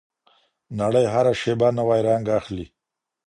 نړۍ هره شیبه نوی رنګ اخلي.